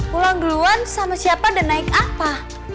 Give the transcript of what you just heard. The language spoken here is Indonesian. pulang duluan sama siapa dan naik apa